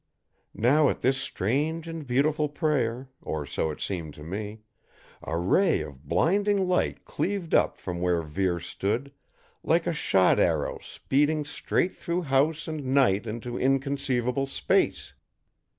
Now at this strange and beautiful prayer or so it seemed to me a ray of blinding light cleaved up from where Vere stood, like a shot arrow speeding straight through house and night into inconceivable space.